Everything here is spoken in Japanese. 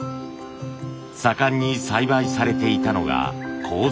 盛んに栽培されていたのが楮です。